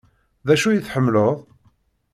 D acu ay tḥemmleḍ?